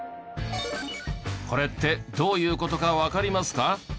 これってどういう事かわかりますか？